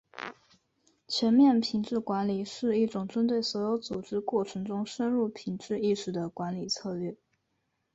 全面品质管理是一种针对所有组织过程中深入品质意识的管理策略。